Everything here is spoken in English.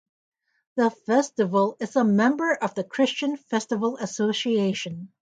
The festival is a member of the Christian Festival Association.